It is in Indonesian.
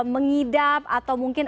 mengidap atau mungkin